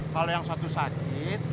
kalau yang satu sakit